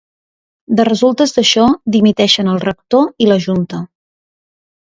De resultes d’això, dimiteixen el rector i la junta.